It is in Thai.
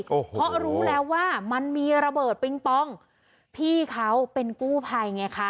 โอ้โหเพราะรู้แล้วว่ามันมีระเบิดปิงปองพี่เขาเป็นกู้ภัยไงคะ